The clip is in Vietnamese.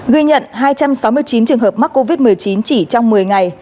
ghi nhận hai trăm sáu mươi chín trường hợp mắc covid một mươi chín chỉ trong một mươi ngày